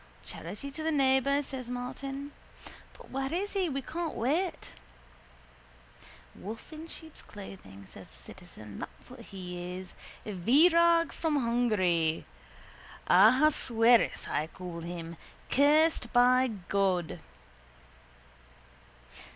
—Charity to the neighbour, says Martin. But where is he? We can't wait. —A wolf in sheep's clothing, says the citizen. That's what he is. Virag from Hungary! Ahasuerus I call him. Cursed by God.